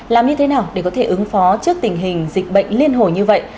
làm như thế nào để có thể ứng phó trước tình hình dịch bệnh liên hồ như vậy